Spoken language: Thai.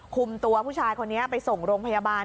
คุมตัวผู้ชายคนนี้ไปส่งโรงพยาบาล